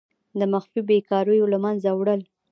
د مخفي بیکاریو له منځه وړل.